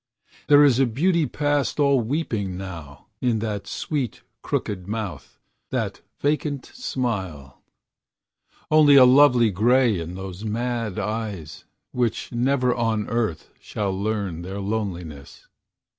There is a beauty past all weeping now In that sweet, crooked mouth, that vacant smile; Only a lonely grey in those mad eyes, Which never on earth shall learn their loneliness.